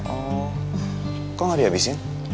oh kok gak dihabisin